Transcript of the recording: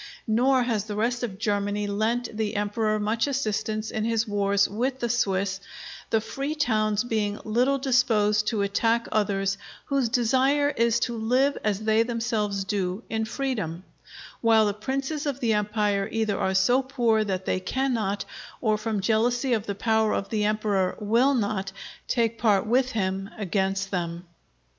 Nor has the rest of Germany lent the Emperor much assistance in his wars with the Swiss, the Free Towns being little disposed to attack others whose desire is to live as they themselves do, in freedom; while the Princes of the Empire either are so poor that they cannot, or from jealousy of the power of the Emperor will not, take part with him against them.